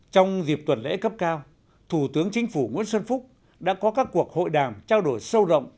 trong dịp tuần lễ cấp cao thủ tướng chính phủ nguyễn xuân phúc đã có các cuộc hội đàm trao đổi sâu rộng